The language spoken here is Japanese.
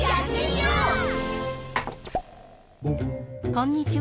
こんにちは。